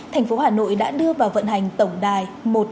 thành phố hà nội đã đưa vào vận hành tổng đài một nghìn hai mươi hai